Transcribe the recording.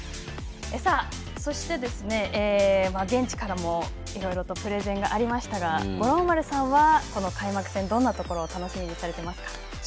そして、現地からもいろいろとプレゼンがありましたが五郎丸さんは、この開幕戦どんなところを楽しみにされていますか？